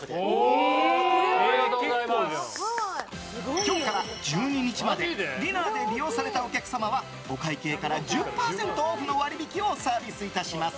今日から１２日までディナーで利用されたお客様はお会計から１０％オフの割引をサービスいたします。